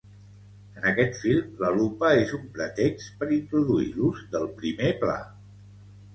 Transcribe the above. En aquest film, la lupa és un pretext per introduir l'ús del primer pla.